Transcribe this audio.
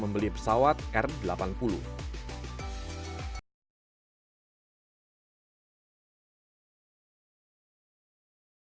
sejauh ini sudah ada empat maskapai dalam negeri yang tertentu